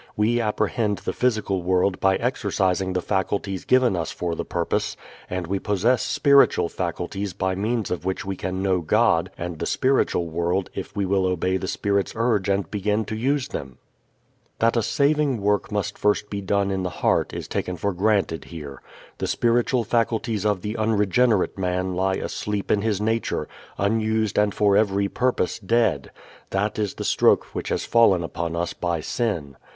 We apprehend the physical world by exercising the faculties given us for the purpose, and we possess spiritual faculties by means of which we can know God and the spiritual world if we will obey the Spirit's urge and begin to use them. That a saving work must first be done in the heart is taken for granted here. The spiritual faculties of the unregenerate man lie asleep in his nature, unused and for every purpose dead; that is the stroke which has fallen upon us by sin.